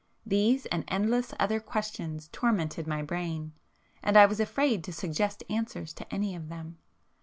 These, and endless other questions tormented my brain,—and I was afraid to suggest answers to any of them.